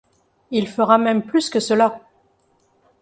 Il fera même plus que cela.